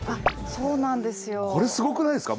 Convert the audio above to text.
そうなんですよ。